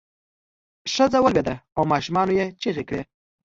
ښځه ولویده او ماشومانو یې چغې کړې.